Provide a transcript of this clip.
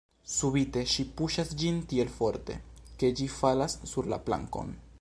Subite ŝi puŝas ĝin tiel forte, ke ĝi falas sur la plankon.